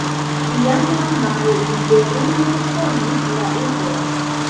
Iama malliberulo fondis la urbon.